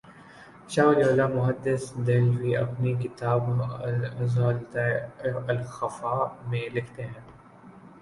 شاہ ولی اللہ محدث دہلوی اپنی کتاب ”ازالتہ الخفا ء“ میں لکھتے ہیں